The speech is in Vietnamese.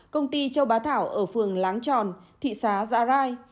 công ty châu bá thảo ở phường láng tròn thị xã gia rai